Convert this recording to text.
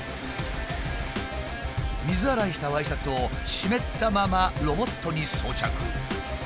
水洗いしたワイシャツを湿ったままロボットに装着。